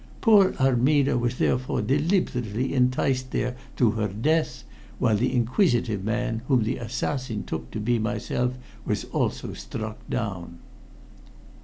Poor Armida was therefore deliberately enticed there to her death, while the inquisitive man whom the assassin took to be myself was also struck down."